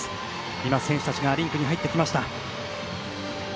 今、選手たちがリンクに入ってきました。